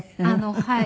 はい。